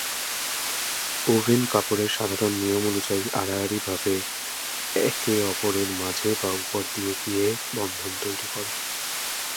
Oven কাপড়ে সাধারণ নিয়ম অনুযায়ী আড়াআড়িভাবে একে অপরের মাঝে বা উপর দিয়ে গিয়ে বন্ধন তৈরি কর।